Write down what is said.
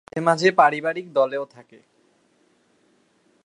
মাঝেমাঝে পারিবারিক দলেও থাকে।